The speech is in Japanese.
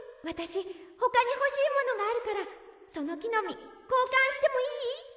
わたしほかにほしいものがあるからそのきのみこうかんしてもいい？